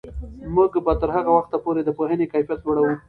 موږ به تر هغه وخته پورې د پوهنې کیفیت لوړوو.